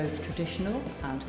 trở lại đồng tổ chức